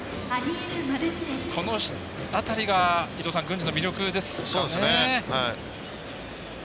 この辺りが郡司の魅力ですかね。